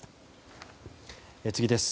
次です。